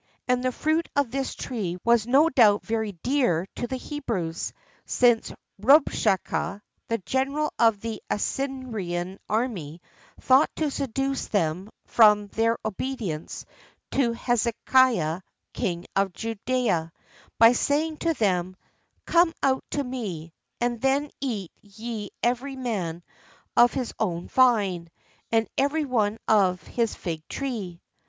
[XIII 45] And the fruit of this tree was no doubt very dear to the Hebrews, since Rubshakeh, the general of the Assyrian army, thought to seduce them from their obedience to Hezekiah, King of Judea, by saying to them: "Come out to me, and then eat ye every man of his own vine, and every one of his fig tree."